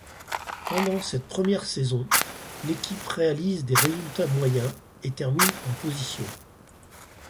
Pendant cette première saison, l’équipe réalise des résultats moyens et termine en position.